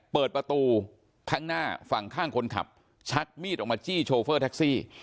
เปิดประตูข้างหน้าฝั่งข้างคนขับชักมีดออกมาจี้โชเฟอร์แท็กซี่